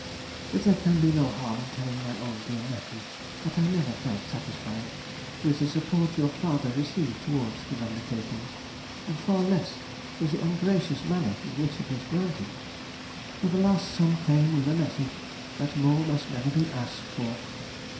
But there can be no harm in telling my own dear nephew, that I never felt satisfied with the support your father received towards his undertakings, and far less with the ungracious manner in which it was granted. For the last sum came with a message that more must never be asked for.